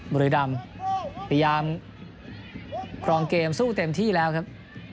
บุรีดำพยายามครองเกมสู้เต็มที่แล้วครับ